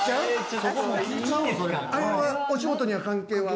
あれはお仕事には関係は？